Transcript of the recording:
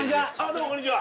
どうもこんにちは。